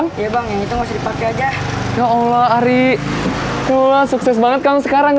buat abang abang yang itu harus dipakai aja ya allah ari luah sukses banget kamu sekarang